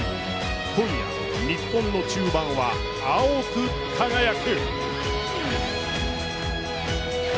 今夜、日本の中盤は碧く輝く。